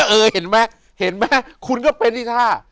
เออเห็นมั้ยเห็นมั้ยคุณก็เป็นที่ท่า